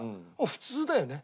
普通だよね。